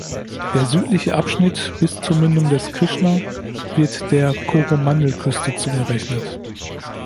Der südliche Abschnitt bis zur Mündung des Krishna wird der Koromandelküste zugerechnet.